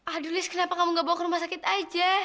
aduh liz kenapa kamu gak bawa ke rumah sakit aja